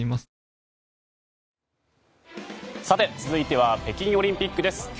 続いては北京オリンピックです。